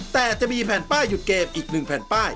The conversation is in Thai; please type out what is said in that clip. แต่จะมีแผ่นป้ายหยุดเกมอีก๑แผ่นป้าย